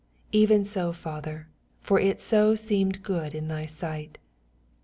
26 Even so, Father : for so it seeiiH ed good in thy sight.